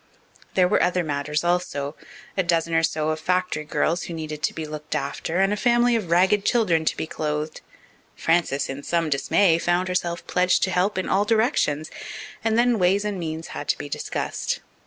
There were other matters also a dozen or so of factory girls who needed to be looked after and a family of ragged children to be clothed. Frances, in some dismay, found herself pledged to help in all directions, and then ways and means had to be discussed.